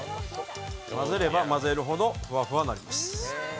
混ぜれば、混ぜるほどふわふわになります。